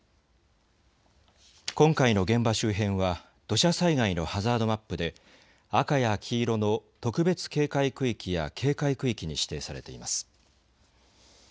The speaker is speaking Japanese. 今回の現場周辺は土砂災害のハザードマップで赤や黄色の特別警戒区域や警戒区域に指定されています。